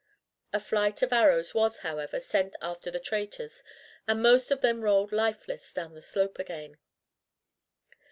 A flight of arrows was, however, sent after the traitors, and most of them rolled lifeless down the slope again.